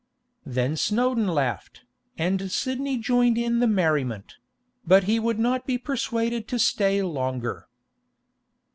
Then Snowdon laughed, and Sidney joined in the merriment; but he would not be persuaded to stay longer.